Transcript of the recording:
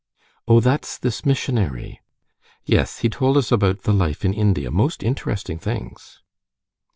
"Oh, that's this missionary?" "Yes; he told us about the life in India, most interesting things."